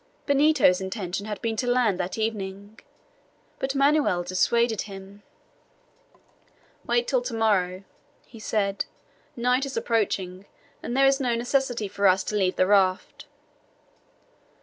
Benito's intention had been to land that evening, but Manoel dissuaded him. "Wait till to morrow," he said; "night is approaching, and there is no necessity for us to leave the raft."